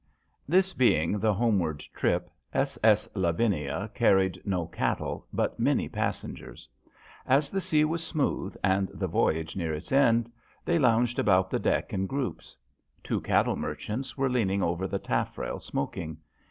HIS being the homeward trip, SS. Lavinia carried no cattle, but many passengers. As the sea was smooth and the voyage near its end, they lounged about the deck in groups. Two cattle merchants were leaning over the taffrail smoking.